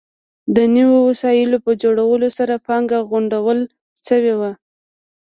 د نویو وسایلو په جوړولو سره پانګه غونډول شوې وه.